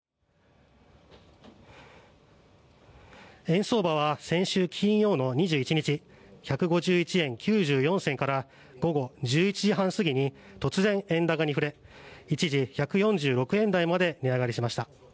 円相場は先週金曜の２１日１５１円９４銭から午後１１時半過ぎに突然、円高に振れ一時１４６円台まで値上がりしました。